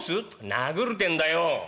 「殴るてんだよ」。